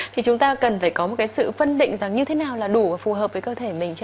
thì chúng ta cần phải có một cái sự phân định rằng như thế nào là đủ và phù hợp với cơ thể mình chứ ạ